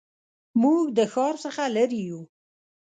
موږ د ښار څخه لرې یو